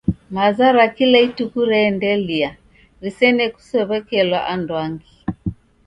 Maza ra kila ituku reendelia risene kusow'ekelwa anduangi.